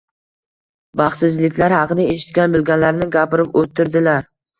Baxtsizliklar haqida eshitgan-bilganlarini gapirib o‘tirdilar.